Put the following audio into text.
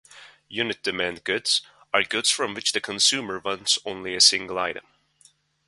"Unit-demand goods" are goods from which the consumer wants only a single item.